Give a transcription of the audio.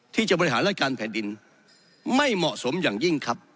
ที่จะบริหารราชการแผ่นดินไม่เหมาะสมอย่างยิ่งครับ